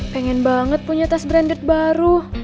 pengen banget punya tas branded baru